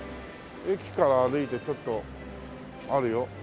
駅から歩いてちょっとあるよ。